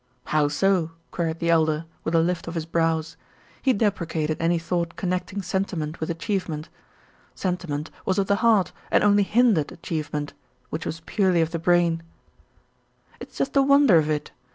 "How so?" queried the Elder, with a lift of his brows. He deprecated any thought connecting sentiment with achievement. Sentiment was of the heart and only hindered achievement, which was purely of the brain. "It's just the wonder of it.